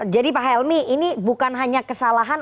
jadi pak helmi ini bukan hanya kesalahan